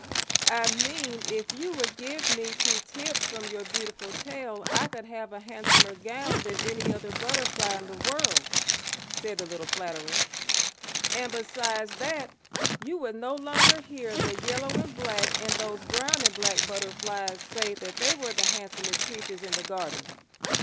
"I mean if you would give me two tips from your beautiful tail I could have a handsomer gown than any other butterfly in the world," said the little flatterer, "and besides that, you would no longer hear the yellow and black and those brown and black butterflies say that they were the handsomest creatures in the garden.